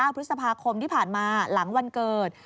พฤษภาคมที่ผ่านมาหลังวันเกิด